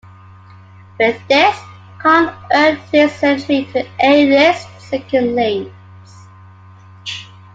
With this, Khan earned his entry into A-list second leads.